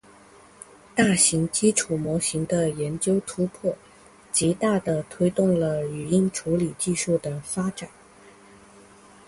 大型基础模型的研究突破，极大地推动了语音处理技术的发展。